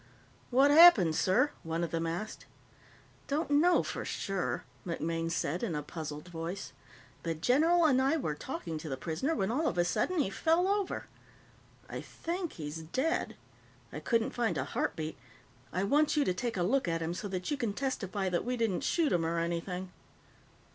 "What happened, sir?" one of them asked. "Don't know for sure," MacMaine said in a puzzled voice. "The general and I were talking to the prisoner, when all of a sudden he fell over. I think he's dead. I couldn't find a heartbeat. I want you to take a look at him so that you can testify that we didn't shoot him or anything."